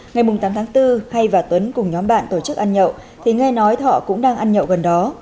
ngày tám tháng bốn hay và tuấn cùng nhóm bạn tổ chức ăn nhậu thì nghe nói thọ cũng đang ăn nhậu gần đó